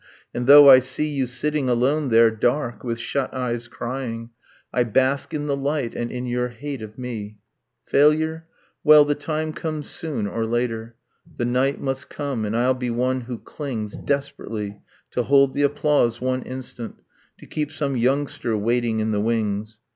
. and though I see You sitting alone there, dark, with shut eyes crying, I bask in the light, and in your hate of me ... Failure ... well, the time comes soon or later ... The night must come ... and I'll be one who clings, Desperately, to hold the applause, one instant, To keep some youngster waiting in the wings.